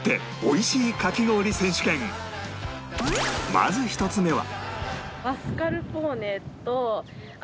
まず１つ目は